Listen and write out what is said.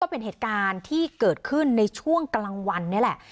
เป็นเหตุการณ์ที่เกิดขึ้นในช่วงกลางวันนี่แหละ